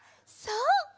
そう！